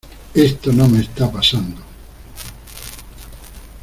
¡ Esto no me esta pasando!